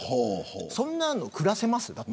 そんなの暮らせますか。